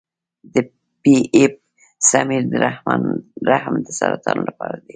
د پی ایپ سمیر د رحم د سرطان لپاره دی.